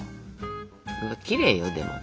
きれいよでも。